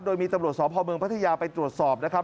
โดยมีตำรวจสพเมืองพัทยาไปตรวจสอบนะครับ